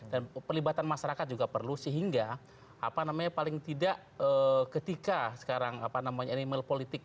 dan perlibatan masyarakat juga perlu sehingga paling tidak ketika sekarang animal politik